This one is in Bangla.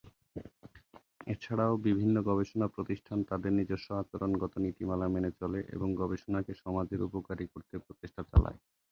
এছাড়াও বিভিন্ন গবেষণা প্রতিষ্ঠান তাদের নিজস্ব আচরণগত নীতিমালা মেনে চলে এবং গবেষণাকে সমাজের উপকারী করতে প্রচেষ্টা চালায়।